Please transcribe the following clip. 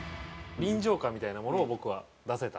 臨場感みたいなものを僕は出せた。